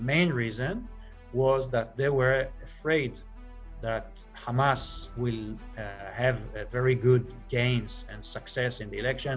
alasan utama adalah mereka takut bahwa hamas akan memiliki kembang dan sukses di pilihan